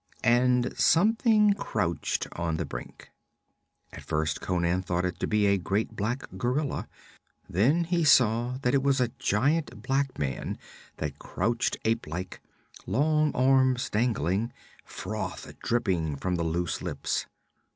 And something crouched on the brink. At first Conan thought it to be a great black gorilla. Then he saw that it was a giant black man that crouched ape like, long arms dangling, froth dripping from the loose lips.